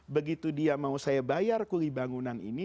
begitu dia mau saya bayar kuli bangunan ini